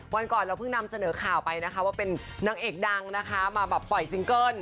วันก่อนเราเพิ่งนำเสนอข่าวไปนะคะว่าเป็นนางเอกดังนะคะมาแบบปล่อยซิงเกิ้ล